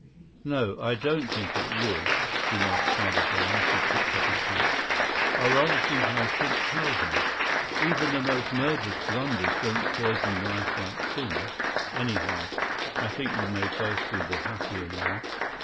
"No, I don't think it would," remarked Father Brown, as he picked up his hat. "I rather think I should tell her. Even the most murderous blunders don't poison life like sins; anyhow, I think you may both be the happier now.